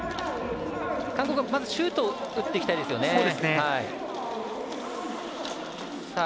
韓国は、まずシュートを打っていきたいですね。